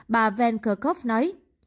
bà van kerkhove nói